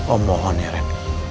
om mohon ya ren